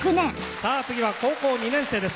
さあ次は高校２年生です。